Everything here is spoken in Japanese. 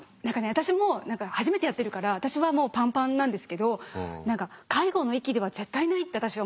私も初めてやってるから私はもうパンパンなんですけど何か介護の域では絶対ないって私は思ってるんですよ。